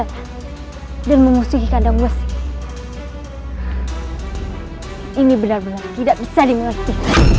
pastikan kadang kadang captions suddenly